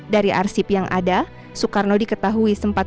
dari arsip yang ada soekarno diketahui sempat